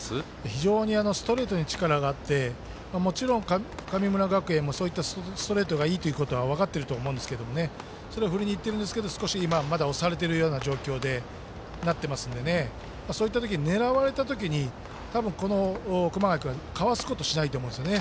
非常にストレートに力があってもちろん、神村学園もそういったストレートがいいということは分かっているとは思うんですけどそれを振りにいってるんですがまだ今は押されてる状況になっていますから狙われたときに、多分、熊谷君はかわすことをしないと思うんです。